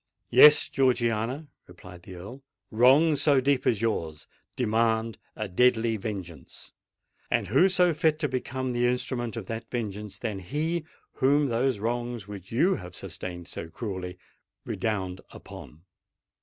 "Yes, Georgiana," replied the Earl: "wrongs so deep as yours demand a deadly vengeance. And who so fit to become the instrument of that vengeance, than he whom those wrongs which you have sustained so cruelly redound upon?